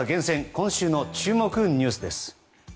今週の注目ニュースです。